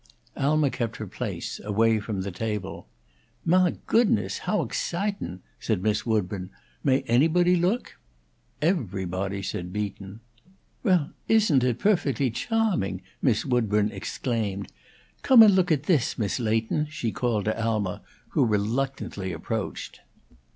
Alma kept her place, away from the table. "Mah goodness! Ho' exciting!" said Miss Woodburn. "May anybody look?" "Everybody," said Beaton. "Well, isn't it perfectly choming!" Miss Woodburn exclaimed. "Come and look at this, Miss Leighton," she called to Alma, who reluctantly approached.